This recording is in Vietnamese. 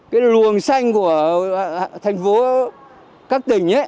cái luồng xanh của thành phố các đình